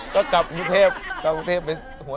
ก็กลับกฎภ